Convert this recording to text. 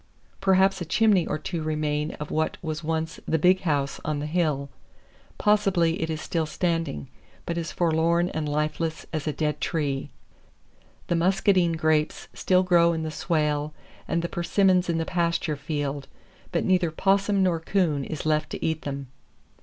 Perhaps a chimney or two remain of what was once the "big house" on the hill; possibly it is still standing, but as forlorn and lifeless as a dead tree. The muscadine grapes still grow in the swale and the persimmons in the pasture field, but neither 'possum nor 'coon is left to eat them.